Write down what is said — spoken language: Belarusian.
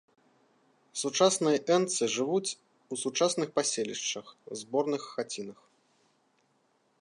Сучасныя энцы жывуць у сучасных паселішчах у зборных хацінах.